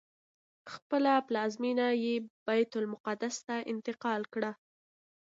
خپله پلازمینه یې بیت المقدس ته انتقال کړه.